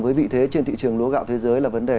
với vị thế trên thị trường lúa gạo thế giới là vấn đề